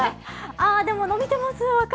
ああ、でも伸びてます。